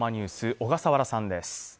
小笠原さんです。